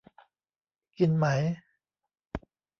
กินไหม ?